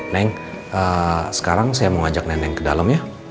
neneng sekarang saya mau ajak neneng ke dalam ya